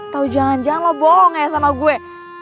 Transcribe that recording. tau jangan jangan lo bohong ya sama gue